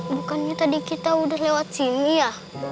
bukannya tadi kita udah lewat sini ya